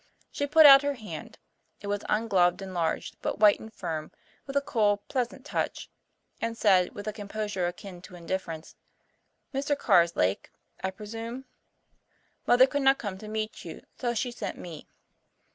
She put out her hand it was ungloved and large, but white and firm, with a cool, pleasant touch and said, with a composure akin to indifference, "Mr. Carslake, I presume. Mother could not come to meet you, so she sent me.